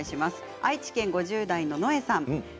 愛知県５０代の方です。